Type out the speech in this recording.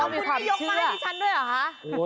คุณไม่ยกมาให้ฉันด้วยเหรอ